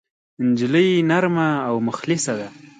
نجلۍ نرمه او مخلصه ده.